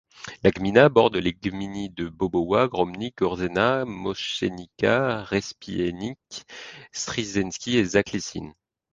La gmina borde les gminy de Bobowa, Gromnik, Korzenna, Moszczenica, Rzepiennik Strzyżewski et Zakliczyn.